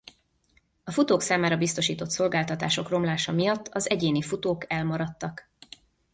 A futók számára biztosított szolgáltatások romlása miatt az egyéni futók elmaradtak.